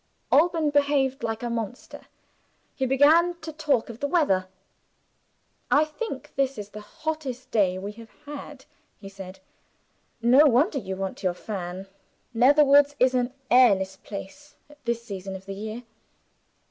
Alban behaved like a monster; he began to talk of the weather. "I think this is the hottest day we have had," he said; "no wonder you want your fan. Netherwoods is an airless place at this season of the year."